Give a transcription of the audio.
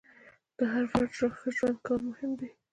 د هر فرد ښه ژوند کول مهم دي.